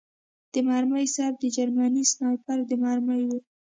د مرمۍ سر د جرمني سنایپر د مرمۍ و